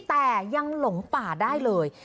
แต่ยังหลงป่าได้เลย